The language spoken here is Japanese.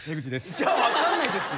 じゃあ分かんないですよ。